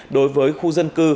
đối với khu dân cư